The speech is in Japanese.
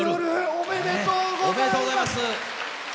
おめでとうございます。